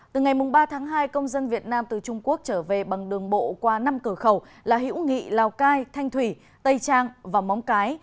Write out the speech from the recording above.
từ ngày ba tháng hai công dân việt nam từ trung quốc trở về bằng đường bộ qua năm cửa khẩu là hữu nghị lào cai thanh thủy tây trang và móng cái